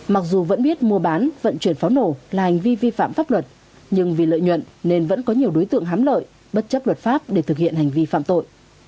mặc dù vẫn biết mua bán vận chuyển pháo nổ là hành vi vi phạm pháp luật nhưng vì lợi nhuận nên vẫn có nhiều đối tượng hám lợi bất chấp luật pháp để thực hiện hành vi phạm tội